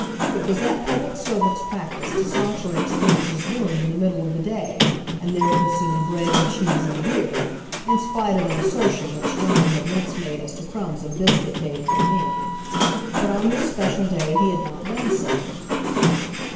It was that public servant's practice to saunter into Eames's room in the middle of the day, and there consume bread and cheese and beer, in spite of an assertion which Johnny had once made as to crumbs of biscuit bathed in ink. But on this special day he had not done so.